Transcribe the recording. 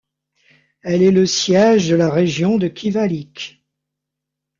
Elle est le siège de la région de Kivalliq.